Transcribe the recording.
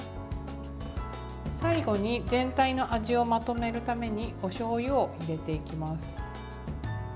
最後に全体の味をまとめるためにおしょうゆを入れていきます。